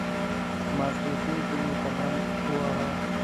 ماپښین کې مې قدم واهه.